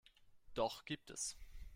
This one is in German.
Doch gibt es.